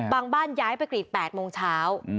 บ้านย้ายไปกรีด๘โมงเช้า